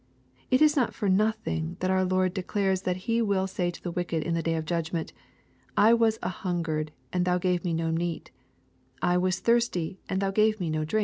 It is not for nothing that our Lord declares that He will say to the wicked in the day of judgment, " I was an hungered and ye gave me no meat ;— I was thirsty and ye gave me no LUKE, CHAP.